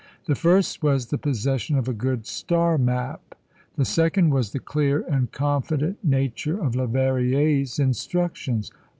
The first was the possession of a good star map; the second was the clear and confident nature of Leverrier's instructions.